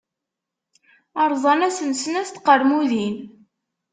Rẓan-asen snat n tqermudin.